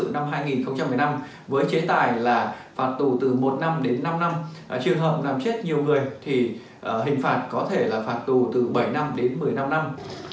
năm hai nghìn một mươi năm với chế tài là phạt tù từ một năm đến năm năm trường hợp làm chết nhiều người thì hình phạt có thể là phạt tù từ bảy năm đến một mươi năm năm